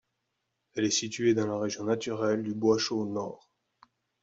Elle est située dans la région naturelle du Boischaut Nord.